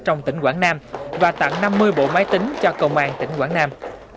trong tỉnh quảng nam và tặng năm mươi bộ máy tính cho cầu màn tỉnh quảng nam